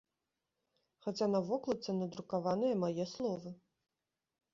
Хаця на вокладцы надрукаваныя мае словы!